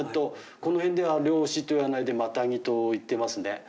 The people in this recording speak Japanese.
この辺では猟師と言わないでマタギと言ってますね。